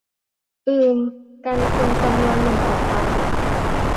อืม กันคนจำนวนหนึ่งออกไป